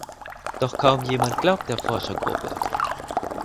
Doch kaum jemand glaubt der Forschergruppe.